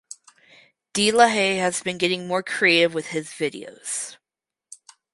De La Haye has been getting more creative with his videos.